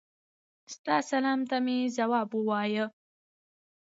ستا سلام ته مي ځواب ووایه.